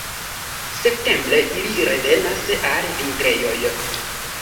Septembre ili revenas al vintrejoj.